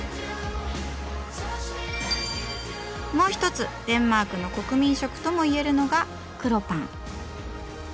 もう一つデンマークの国民食とも言えるのが黒パン。